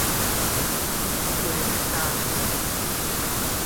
ผู้เห็นเหตุการณ์